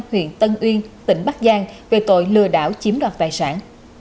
huyện tân uyên tỉnh bắc giang về tội lừa đảo chiếm đoạt tài sản